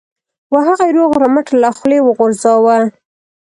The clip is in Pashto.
و هغه یې روغ رمټ له خولې وغورځاوه.